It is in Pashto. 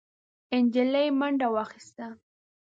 نجلۍ منډه واخيسته،